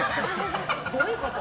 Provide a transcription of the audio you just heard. どういうこと？